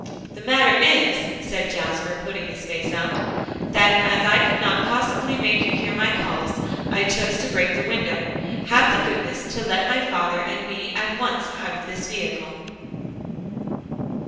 "The matter is," said Jasper, putting his face out, "that as I could not possibly make you hear my calls, I chose to break the window. Have the goodness to let my father and me at once out of this vehicle."